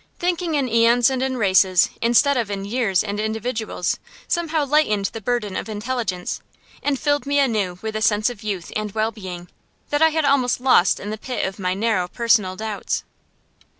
Thinking in æons and in races, instead of in years and individuals, somehow lightened the burden of intelligence, and filled me anew with a sense of youth and well being, that I had almost lost in the pit of my narrow personal doubts.